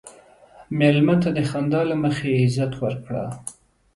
مېلمه ته د خندا له مخې عزت ورکړه.